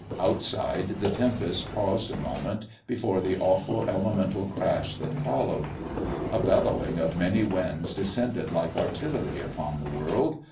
Outside the tempest paused a moment before the awful elemental crash that followed. A bellowing of many winds descended like artillery upon the world.